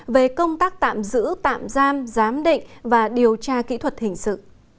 về công tác tạm giữ tạm giam giám định và điều tra kỹ thuật hình sự